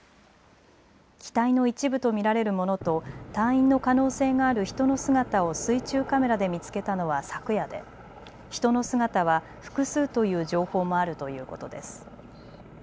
機体の一部と見られるものと隊員の可能性がある人の姿を水中カメラで見つけたのは昨夜で人の姿は複数という情報もあるということです。